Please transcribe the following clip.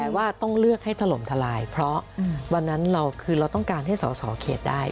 ว่าต้องเลือกให้ถล่มทลายเพราะวันนั้นเราคือเราต้องการให้สอสอเขตได้